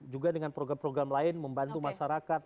juga dengan program program lain membantu masyarakat